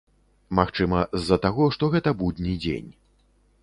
Магчыма, з-за таго, што гэта будні дзень.